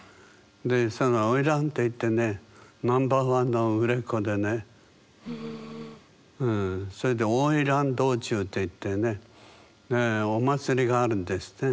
でその花魁っていってねナンバーワンの売れっ子でねそれで花魁道中っていってねお祭りがあるんですね。